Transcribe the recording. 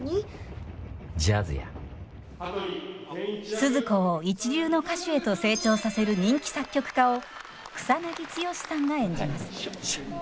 スズ子を一流の歌手へと成長させる人気作曲家を草剛さんが演じます。